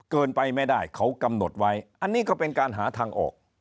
เกินไปไม่ได้เขากำหนดไว้อันนี้ก็เป็นการหาทางออก